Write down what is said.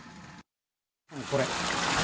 これ。